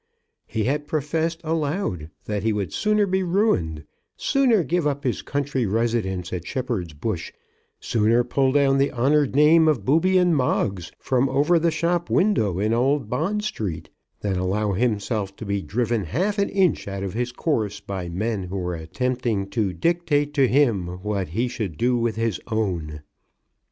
He had professed aloud that he would sooner be ruined, sooner give up his country residence at Shepherd's Bush, sooner pull down the honoured names of Booby and Moggs from over the shop window in Old Bond Street, than allow himself to be driven half an inch out of his course by men who were attempting to dictate to him what he should do with his own.